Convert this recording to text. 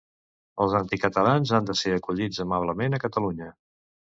Els anticatalans han de ser acollits amablement a Catalunya!